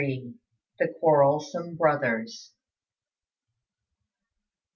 XLIII. THE QUARRELSOME BROTHERS.